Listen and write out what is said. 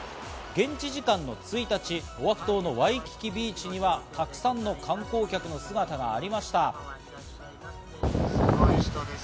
現地時間の１日、オアフ島のワイキキビーチにはたくさんの観光客の姿がありました。